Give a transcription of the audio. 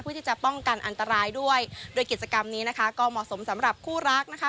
ที่จะป้องกันอันตรายด้วยโดยกิจกรรมนี้นะคะก็เหมาะสมสำหรับคู่รักนะคะ